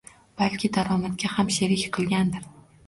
Balki daromadga ham sherik qilgandir